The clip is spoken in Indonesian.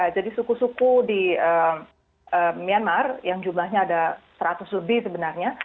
jadi suku suku di myanmar yang jumlahnya ada seratus lebih sebenarnya